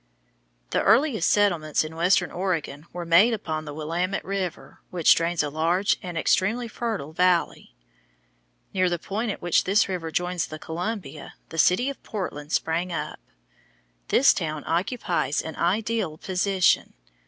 The earliest settlements in western Oregon were made upon the Willamette River, which drains a large and extremely fertile valley. Near the point at which this river joins the Columbia, the city of Portland sprang up. This town occupies an ideal position.